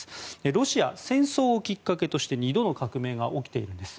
ロシアは戦争をきっかけとして２度の革命が起きているんです。